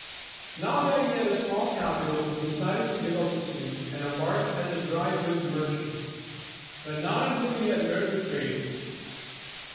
Now that he had a small capital, he decided to give up the sea, and embark as a dry goods merchant, but not until he had learned the trade.